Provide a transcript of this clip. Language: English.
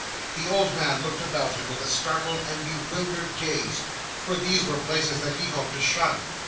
The old man looked about him with a startled and bewildered gaze, for these were places that he hoped to shun.